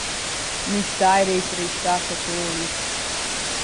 Müstair es restà catolic.